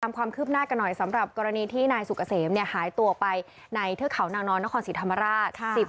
ความคืบหน้ากันหน่อยสำหรับกรณีที่นายสุกเกษมหายตัวไปในเทือกเขานางนอนนครศรีธรรมราช